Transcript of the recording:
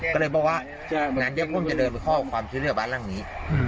ก็เลยบอกว่าอย่างนั้นเดี๋ยวพ่อมันจะเดินไปเข้าความเชื่อเรียกบ้านร่างนี้